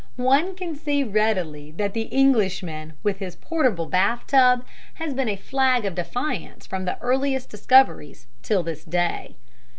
One can see readily that the Englishman with his portable bath tub has been a flag of defiance from the earliest discoveries till this day.